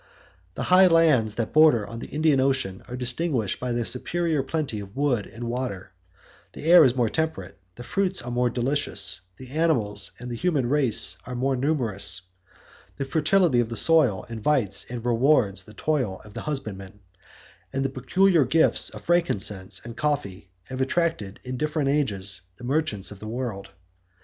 The high lands that border on the Indian Ocean are distinguished by their superior plenty of wood and water; the air is more temperate, the fruits are more delicious, the animals and the human race more numerous: the fertility of the soil invites and rewards the toil of the husbandman; and the peculiar gifts of frankincense 6 and coffee have attracted in different ages the merchants of the world.